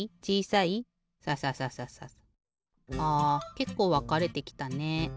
けっこうわかれてきたね。